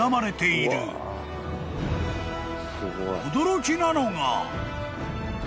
［驚きなのが］